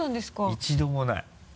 一度もない。